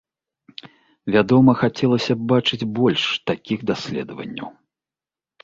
Вядома, хацелася б бачыць больш такіх даследаванняў.